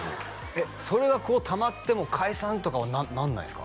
えっそれがこうたまっても解散とかはならないんすか？